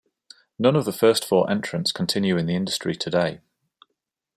None of the first four entrants continue in the industry today.